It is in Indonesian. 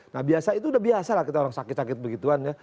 nah biasa itu udah biasa lah kita orang sakit sakit begituan ya